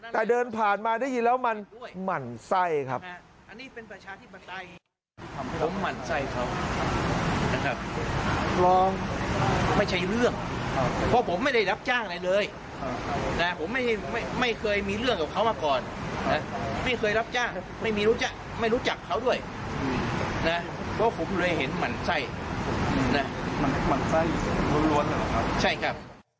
แต่เดินผ่านมาได้ยินแล้วมันหมั่นไส้ครับ